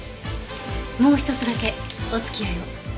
もう一つだけお付き合いを。